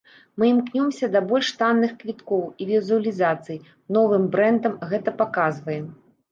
Мы імкнёмся да больш танных квіткоў і візуалізацый, новым брэндам, гэта паказваем.